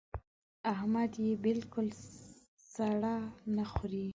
احمد يې بالکل سړه نه خوري.